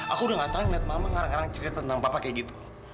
aku udah gak tau ngeliat mama ngarang ngarang cerita tentang papa kayak gitu